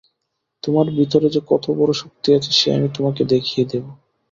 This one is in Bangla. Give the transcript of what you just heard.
তোমার ভিতরে যে কতবড়ো শক্তি আছে সে আমি তোমাকে দেখিয়ে দেব।